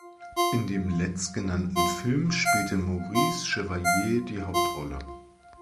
In dem letztgenannten Film spielte Maurice Chevalier die Hauptrolle.